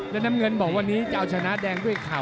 และนางเกินบอกว่าจ้าวจะชนะแดงด้วยเข่า